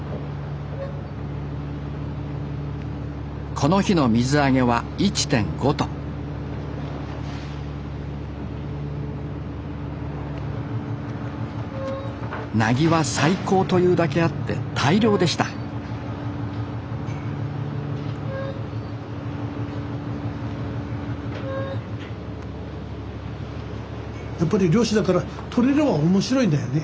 この日の水揚げは１．５トンなぎは最高というだけあって大漁でしたやっぱり漁師だから取れれば面白いんだよね。